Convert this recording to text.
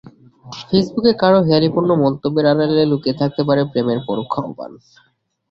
ফেসবুকে কারও হেঁয়ালিপূর্ণ মন্তব্যের আড়ালে লুকিয়ে থাকতে পারে প্রেমের পরোক্ষ আহ্বান।